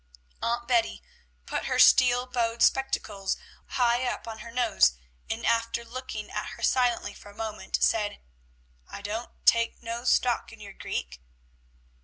Aunt Betty put her steel bowed spectacles high up on her nose, and, after looking at her silently for a moment, said, "I don't take no stock in your Greek."